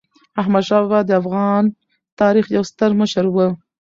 احمدشاه بابا د افغان تاریخ یو ستر مشر و.